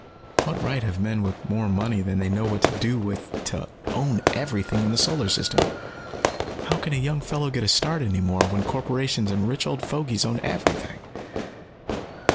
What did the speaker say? What right have men with more money than they know what to do with to own everything in the Solar System? How can a young fellow get a start any more, when corporations and rich old fogies own everything?